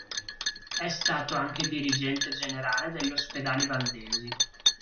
È stato anche dirigente generale degli Ospedali valdesi.